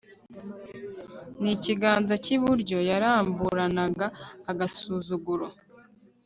n'ikiganza cy'iburyo yaramburanaga agasuzuguro